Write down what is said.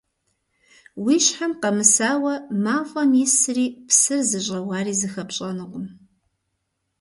Уи щхьэм къэмысауэ мафӀэм исри псыр зыщӀэуари зыхэпщӀэнукъым.